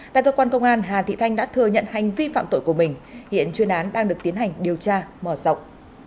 tại cơ quan công an hà thị thanh đã thừa nhận hành vi phạm tội của mình hiện chuyên án đang được tiến hành điều tra mở rộng